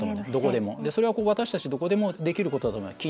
それは私たちどこでもできることだと思います。